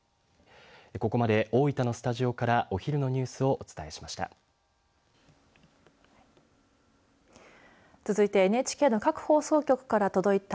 ここまで大分のスタジオからお昼のニュースをお伝えしました。